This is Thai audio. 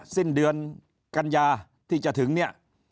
สิ้นเดือนกันยาที่จะถึงเนี่ย